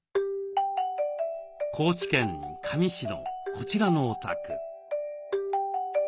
高知県香美市のこちらのお宅。